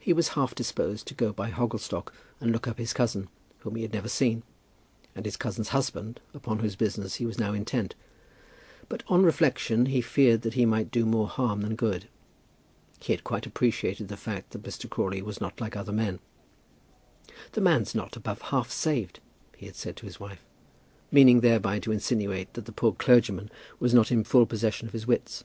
He was half disposed to go by Hogglestock and look up his cousin, whom he had never seen, and his cousin's husband, upon whose business he was now intent; but on reflection he feared that he might do more harm than good. He had quite appreciated the fact that Mr. Crawley was not like other men. "The man's not above half saved," he had said to his wife, meaning thereby to insinuate that the poor clergyman was not in full possession of his wits.